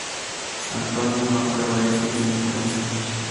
Antonio no aprueba esto, y se enfurece.